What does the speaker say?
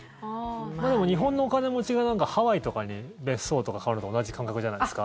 でも、日本のお金持ちがハワイとかに別荘とか買われるのと同じ感覚じゃないですか？